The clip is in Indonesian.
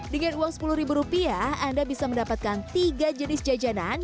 dengan uang sepuluh ribu rupiah anda bisa mendapatkan tiga jenis jajanan